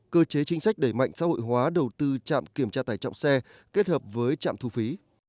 cơ chế chính sách đẩy mạnh xã hội hóa đầu tư trạm kiểm tra tải trọng xe kết hợp với trạm thu phí